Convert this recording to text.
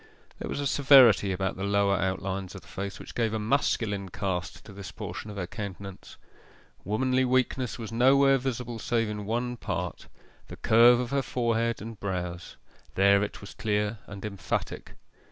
There was a severity about the lower outlines of the face which gave a masculine cast to this portion of her countenance. Womanly weakness was nowhere visible save in one part the curve of her forehead and brows there it was clear and emphatic.